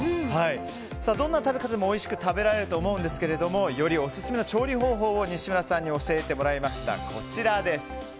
どんな食べ方でもおいしく食べられると思いますがよりオススメの調理方法を西村さんに教えていただきました。